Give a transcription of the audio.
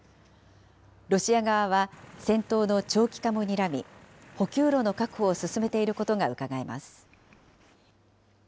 ロシア側は戦闘の長期化もにらみ、補給路の確保を進めていることがうかがえます。